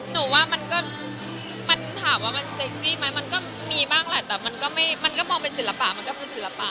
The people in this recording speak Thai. หนูว่ามันก็มันถามว่ามันเซ็กซี่ไหมมันก็มีบ้างแหละแต่มันก็มองเป็นศิลปะมันก็คือศิลปะ